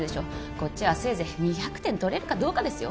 こっちはせいぜい２００点取れるかどうかですよ